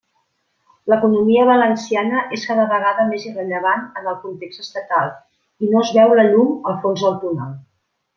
L'economia valenciana és cada vegada més irrellevant en el context estatal, i no es veu la llum al fons del túnel.